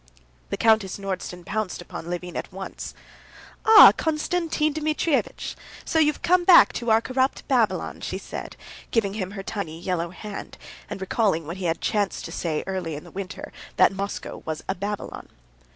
The Countess Nordston pounced upon Levin at once. "Ah, Konstantin Dmitrievitch! So you've come back to our corrupt Babylon," she said, giving him her tiny, yellow hand, and recalling what he had chanced to say early in the winter, that Moscow was a Babylon.